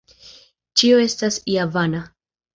Ĉio estas ja vana.